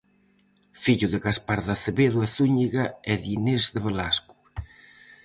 Fillo de Gaspar de Acevedo e Zúñiga e de Inés de Velasco.